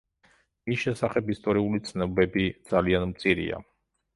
მის შესახებ ისტორიული ცნობები ძალიან მწირია.